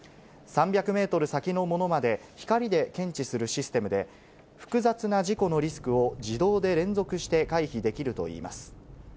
３００メートル先のものまで、光で検知するシステムで、複雑な事故のリスクを自動で連続して回避できるといいます。